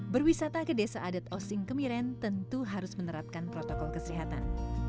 berwisata ke desa adat osing kemiren tentu harus menerapkan protokol kesehatan